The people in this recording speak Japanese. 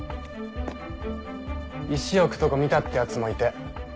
石置くとこ見たってヤツもいて。